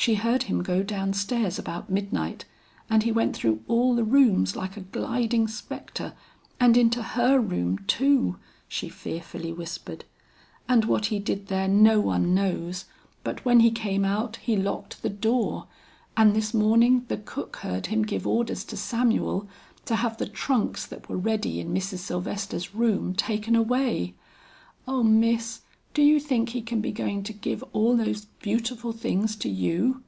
She heard him go down stairs about midnight and he went through all the rooms like a gliding spectre and into her room too!" she fearfully whispered; "and what he did there no one knows, but when he came out he locked the door, and this morning the cook heard him give orders to Samuel to have the trunks that were ready in Mrs. Sylvester's room taken away. O Miss, do you think he can be going to give all those beautiful things to you?"